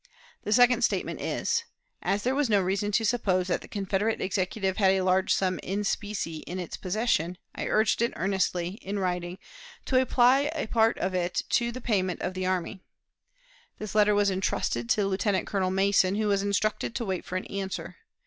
The second statement is: "As there was reason to suppose that the Confederate Executive had a large sum in specie in its possession, I urged it earnestly, in writing, to apply a part of it to the payment of the army. This letter was intrusted to Lieutenant Colonel Mason, who was instructed to wait for an answer.